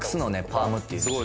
パームっていうんです